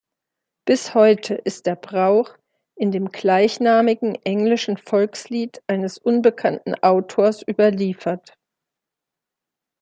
Bis heute ist der Brauch in dem gleichnamigen englischen Volkslied eines unbekannten Autors überliefert.